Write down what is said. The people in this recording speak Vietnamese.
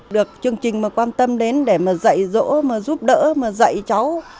được chương trình mà quan tâm đến để mà dạy dỗ mà giúp đỡ mà dạy cháu